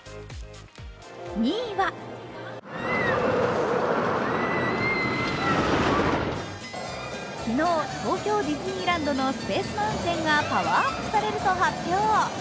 ２位は昨日、東京ディズニーランドのスペース・マウンテンがパワーアップされると発表。